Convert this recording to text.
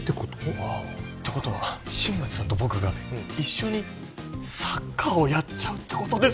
わおてことは新町さんと僕が一緒にサッカーをやっちゃうってことですか？